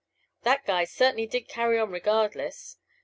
That guy certainly did carry on regardless.